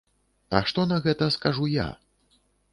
А што на гэта скажу я?